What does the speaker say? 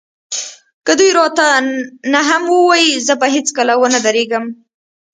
که دوی راته نه هم ووايي زه به هېڅکله ونه درېږم.